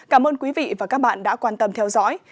cảm ơn quý vị và các bạn đã quan tâm theo dõi